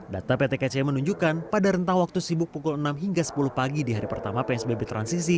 data pt kci menunjukkan pada rentang waktu sibuk pukul enam hingga sepuluh pagi di hari pertama psbb transisi